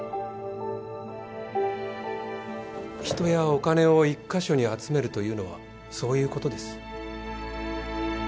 人やお金を１カ所に集めるというのはそういうことです。